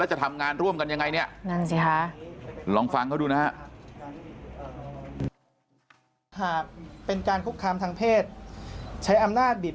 แล้วจะทำงานร่วมกันอย่างไรนี่